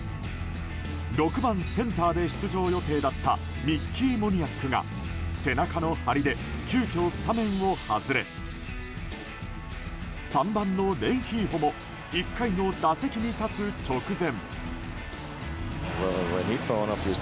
６番センターで出場予定だったミッキー・モニアックが背中の張りで急きょスタメンを外れ３番のレンヒーフォも１回の打席に立つ直前。